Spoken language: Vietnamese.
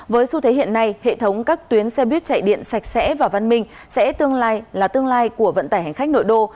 với xu thế hiện nay hệ thống các tuyến xe buýt chạy điện sạch sẽ và văn minh sẽ tương lai là tương lai của vận tải hành khách nội đô